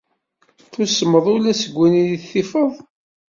Tussmeḍ ula seg win i tifeḍ?